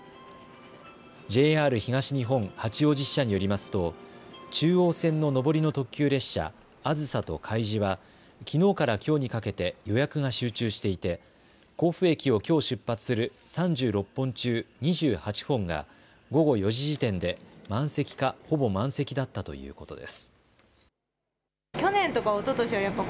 ＪＲ東日本八王子支社によりますと中央線の上りの特急列車あずさとかいじはきのうからきょうにかけて予約が集中していて甲府駅をきょう出発する３６本中２８本が午後４時時点で満席かほぼ満席だったということです。